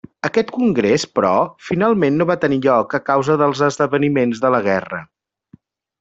Aquest congrés, però, finalment no va tenir lloc a causa dels esdeveniments de la guerra.